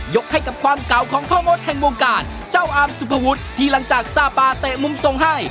ให้กับความเก่าของพ่อมดแห่งวงการเจ้าอามสุภวุฒิที่หลังจากซาปาเตะมุมทรงให้